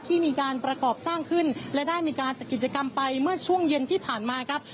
ที่มีการประกอบสร้างขึ้นและได้มีการจัดกิจกรรมไปเมื่อช่วงเย็นที่ผ่านมาครับ